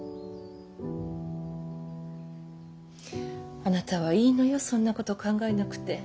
あなたはいいのよそんなこと考えなくて。